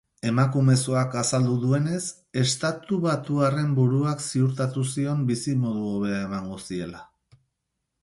Emakumezkoak azaldu duenez, estatubatuarren buruak ziurtatu zion bizimodu hobea emango ziela.